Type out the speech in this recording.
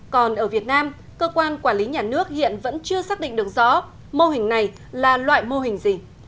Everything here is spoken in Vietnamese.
còn ở việt nam cơ quan quản lý nhà nước hiện vẫn chưa xác định được rõ mô hình này là loại mô hình gì